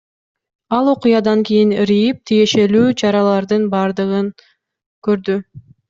Ал окуядан кийин РИИБ тиешелүү чаралардын бардыгын көрдү.